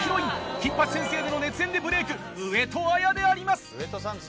『金八先生』での熱演でブレイク上戸彩であります！